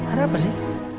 ada apa sih